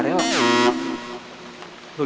hei tunggu tunggu